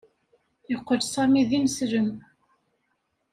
Yeqqel Sami d ineslem.